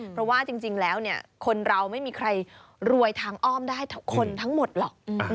เพราะว่าจริงแล้วเนี่ยคนเราไม่มีใครรวยทางอ้อมได้คนทั้งหมดหรอก